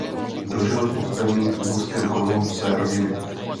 Dožil v ústraní v úzkém kruhu své rodiny.